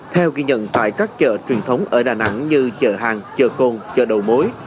theo ghi nhận tại các chợ truyền thống ở đà nẵng như chợ hàng chợ cồn chợ đầu mối